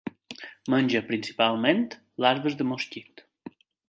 Menja, principalment, larves de mosquit.